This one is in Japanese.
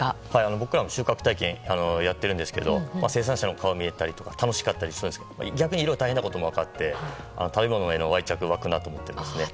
僕らも収穫体験やっているんですが生産者の顔を見えたりとかして楽しかったりするんですけど逆にいろいろ大変なことも分かって食べ物への愛着が湧くなと思っていますね。